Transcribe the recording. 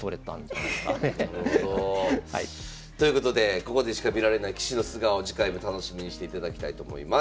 なるほど。ということでここでしか見られない棋士の素顔次回も楽しみにしていただきたいと思います。